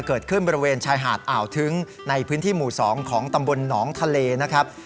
เกิดขึ้นบริเวณชายหาดอ่าวทึ้งในพื้นที่หมู่๒ของตำบลหนองทะเลนะครับ